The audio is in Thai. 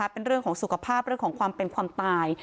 เป็นเรื่องของสุขภาพเรื่องของความเป็นความตาย